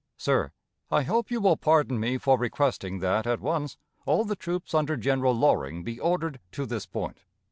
"Sir: I hope you will pardon me for requesting that, at once, all the troops under General Loring be ordered to this point.